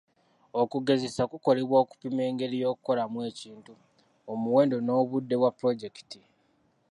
Okugezesa kukolebwa okupima engeri y'okukolamu ekintu, omuwendo n'obudde bwa pulojekiti.